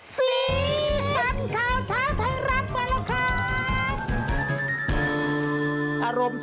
สีกันเข้าเท้าไทยรักมาแล้วค่ะ